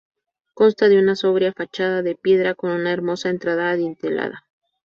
Consta de una sobria fachada de piedra con una hermosa entrada adintelada.